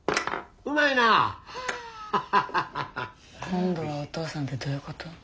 今度はお父さんってどういうこと？